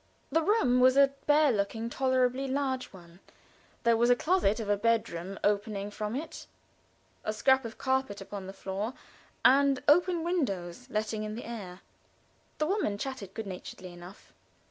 The room was a bare looking, tolerably large one. There was a little closet of a bedroom opening from it a scrap of carpet upon the floor, and open windows letting in the air. The woman chatted good naturedly enough.